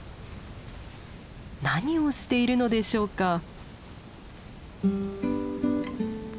何をしているのでしょうか？